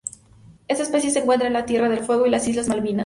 Esta especie se encuentra en la Tierra del Fuego y las Islas Malvinas.